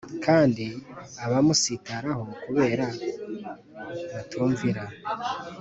' kandi abamusitaraho kubera ko batumvira,